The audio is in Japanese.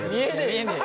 見えねえ。